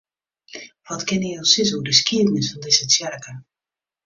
Wat kinne jo sizze oer de skiednis fan dizze tsjerke?